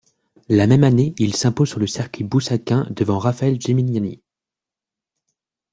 La même année, il s'impose sur le Circuit boussaquin devant Raphaël Géminiani.